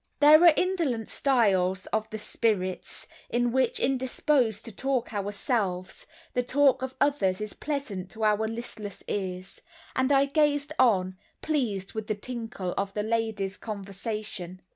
There are indolent styles of the spirits in which, indisposed to talk ourselves, the talk of others is pleasant to our listless ears; and I gazed on, pleased with the tinkle of the ladies' conversation.